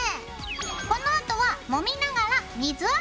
このあとはもみながら水洗いするよ。